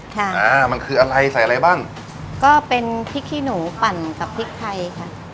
ค่ะอ่ามันคืออะไรใส่อะไรบ้างก็เป็นพริกขี้หนูปั่นกับพริกไทยค่ะ